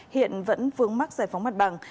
hiện vẫn vướng mắt giải phóng mặt bằng